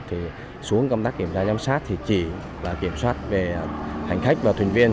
thì xuống công tác kiểm tra giám sát thì chỉ là kiểm soát về hành khách và thuyền viên